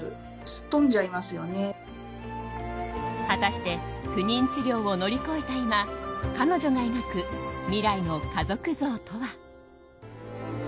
果たして不妊治療を乗り越えた今彼女が描く未来の家族像とは。